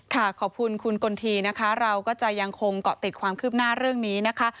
ขอบคุณคุณกลทีนะคะเราก็จะยังคงเกาะติดความคืบหน้าเรื่องนี้นะคะ